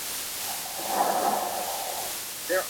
অনেক সময় মুনিগণ পর্যন্ত পরস্পর মতভেদহেতু বিবাদ করিয়াছেন।